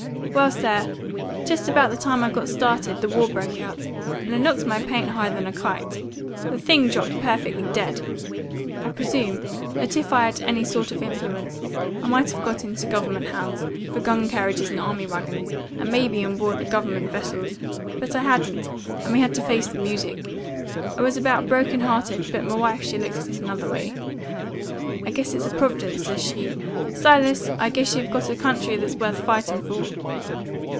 Well, sir, just about the time I got started, the war broke out; and it knocked my paint higher than a kite. The thing dropped perfectly dead. I presume that if I'd had any sort of influence, I might have got it into Government hands, for gun carriages and army wagons, and may be on board Government vessels. But I hadn't, and we had to face the music. I was about broken hearted, but m'wife she looked at it another way. 'I guess it's a providence,' says she. 'Silas, I guess you've got a country that's worth fighting for.